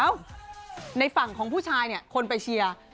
ในฝั่งของผู้ชายเนี่ยคนไปเชียร์